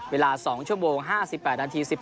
เวลา๒ชั่วโมง๕๘นาที๑๘วินาที